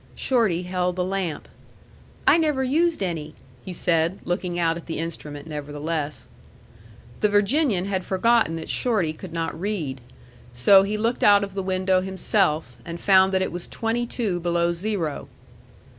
Shorty held the lamp. "I never used any," he said, looking out at the instrument, nevertheless. The Virginian had forgotten that Shorty could not read. So he looked out of the window himself, and found that it was twenty two below zero.